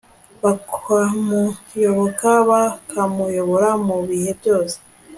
bakamuyoboka, bakamuyoboka mu bihe byose